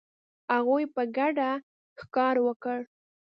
هغوی په ګډه ښکار وکړ.